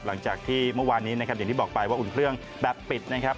หลังจากที่เมื่อวานนี้นะครับอย่างที่บอกไปว่าอุ่นเครื่องแบบปิดนะครับ